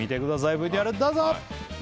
ＶＴＲどうぞ！